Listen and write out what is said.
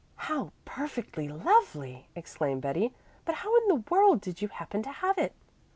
"How perfectly lovely!" exclaimed Betty. "But how in the world did you happen to have it?"